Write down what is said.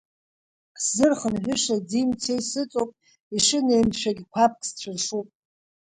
Сзырхынҳәыша ӡи-мцеи сыҵоуп, ишеинымшәогь қәабк сцәыршуп.